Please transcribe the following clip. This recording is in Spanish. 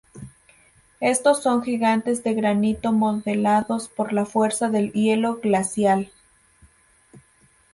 Estos son gigantes de granito modelados por la fuerza del hielo glacial.